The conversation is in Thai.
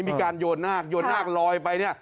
มีการโยนนาคโยนนาคลอยไปเนี่ย